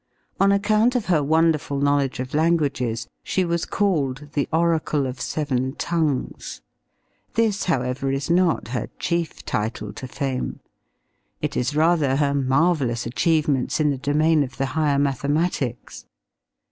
On account of her wonderful knowledge of languages she was called "The Oracle of Seven Tongues." This, however, is not her chief title to fame. It is rather her marvelous achievements in the domain of the higher mathematics.